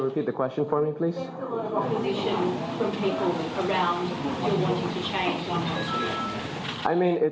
เพราะงั้นความทรงของพราสาน